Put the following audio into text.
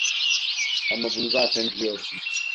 Ama bunu zaten biliyorsun.